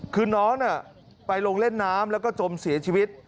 คือน้องไปลงเล่นน้ำแล้วก็จมเสียชีวิต